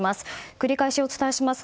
繰り返しお伝えします。